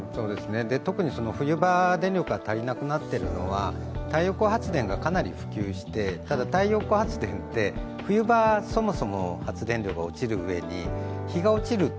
特に冬場電力が足りなくなってるのは太陽光発電がかなり普及して、ただ太陽光発電って冬場そもそも発電力が落ちるうえに、日が落ちると